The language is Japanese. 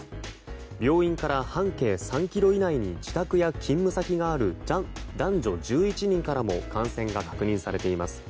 病院から半径３ｋｍ以内に自宅や勤務先がある男女１１人からも感染が確認されています。